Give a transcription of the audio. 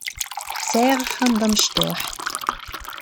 Sɛiɣ axxam d amecṭuḥ.